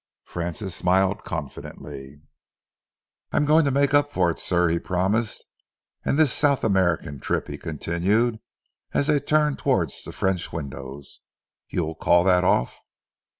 Francis smiled confidently. "I'm going to make up for it, sir," he promised. "And this South American trip," he continued, as they turned towards the French windows, "you'll call that off?"